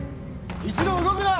一同動くな！